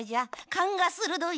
かんがするどい！